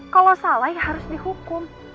kalau salah ya harus dihukum